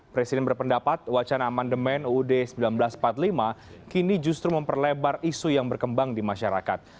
presiden berpendapat wacana amandemen uud seribu sembilan ratus empat puluh lima kini justru memperlebar isu yang berkembang di masyarakat